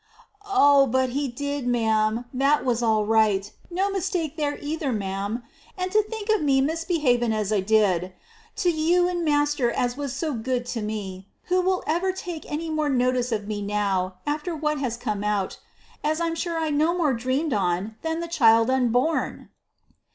"Oh! but he did, ma'am: that was all right; no mistake there either, ma'am. And to think o' me behavin' as I did to you and master as was so good to me! Who'll ever take any more notice of me now, after what has come out as I'm sure I no more dreamed on than the child unborn!"